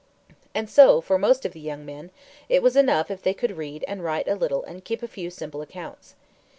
And so, for most of the young men, it was enough if they could read and write a little and keep a few simple accounts.